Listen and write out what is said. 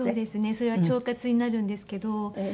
それは腸活になるんですけど。